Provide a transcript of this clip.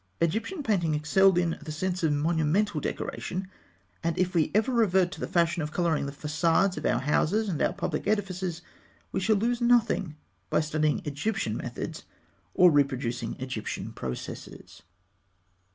Egyptian painting excelled in the sense of monumental decoration, and if we ever revert to the fashion of colouring the façades of our houses and our public edifices, we shall lose nothing by studying Egyptian methods or reproducing Egyptian processes.